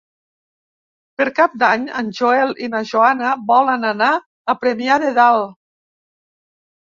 Per Cap d'Any en Joel i na Joana volen anar a Premià de Dalt.